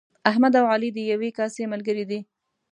احمد او علي د یوې کاسې ملګري دي.